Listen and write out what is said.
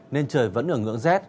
nên trời vẫn ở ngưỡng z